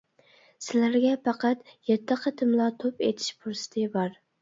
سىلەرگە پەقەت يەتتە قېتىملا توپ ئېتىش پۇرسىتى بار.